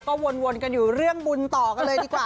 ก็วนกันอยู่เรื่องบุญต่อกันเลยดีกว่า